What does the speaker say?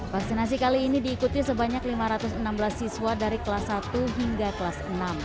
vaksinasi kali ini diikuti sebanyak lima ratus enam belas siswa dari kelas satu hingga kelas enam